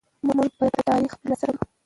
موږ به د تاريخ توري له سره ګورو.